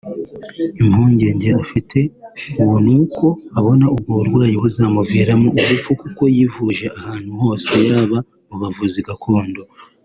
Impungenge afite ubu n’uko abona ubwo burwayi buzamuviramo urupfu kuko yivuje ahantu hose yaba mu bavuzi gakondo